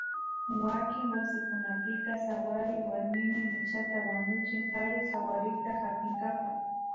Wakin wasikunapika sawary warmimi michata wañuchin kari sawarikta hapinkapa